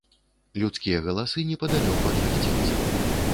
Людскія галасы непадалёку ад гасцінца.